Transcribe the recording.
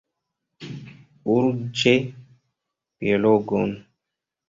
Urĝe biologon!